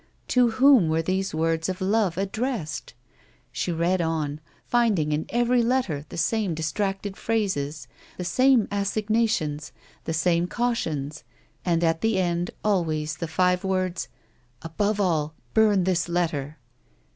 To whom were these words of love addressed 1 She read on, finding in every letter the same distracted phrases, the same assignations, the same cautions, and, at the end, always the five words :" Above all, burn this letter."